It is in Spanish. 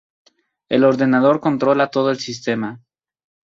El ordenador controla todo el sistema.